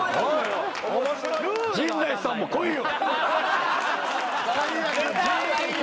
陣内さんも来いよ。